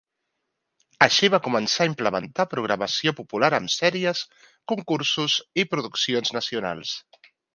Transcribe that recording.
Així va començar a implementar programació popular amb sèries, concursos i produccions nacionals.